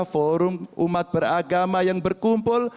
forum umat beragama yang berkumpul